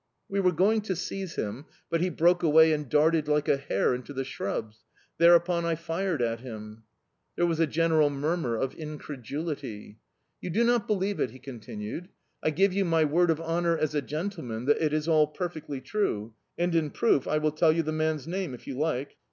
We were going to seize him, but he broke away and darted like a hare into the shrubs. Thereupon I fired at him." There was a general murmur of incredulity. "You do not believe it?" he continued. "I give you my word of honour as a gentleman that it is all perfectly true, and, in proof, I will tell you the man's name if you like."